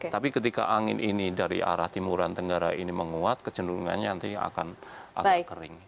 tapi ketika angin ini dari arah timuran tenggara ini menguat kecenderungannya nanti akan agak kering